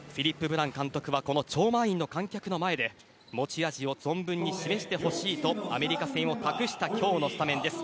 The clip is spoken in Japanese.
フィリップ・ブラン監督はこの超満員の観客の前で持ち味を存分に示してほしいとアメリカ戦を託した今日のスタメンです。